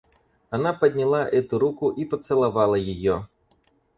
Она подняла эту руку и поцеловала ее.